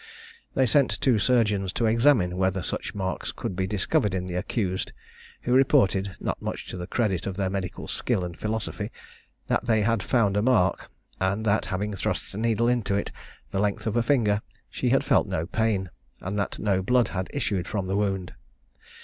They sent two surgeons to examine whether such marks could be discovered in the accused; who reported, not much to the credit of their medical skill and philosophy, that they had found a mark, and that, having thrust a needle into it, the length of a finger, she had felt no pain, and that no blood had issued from the wound.